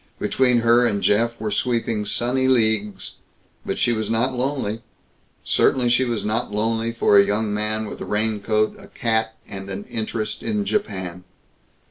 Between her and Jeff were sweeping sunny leagues. But she was not lonely. Certainly she was not lonely for a young man with a raincoat, a cat, and an interest in Japan.